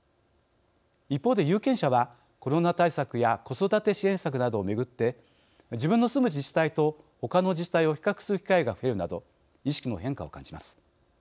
一方で、有権者はコロナ対策や子育て支援策などを巡って自分の住む自治体と他の自治体を比較する機会が増えるなど意識の変化を感じます。